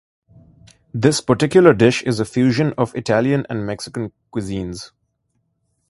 This particular dish is a fusion of Italian and Mexican cuisines.